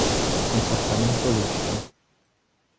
Comportamento lecito.